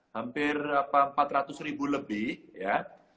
hampir empat ratus ribu lebih ya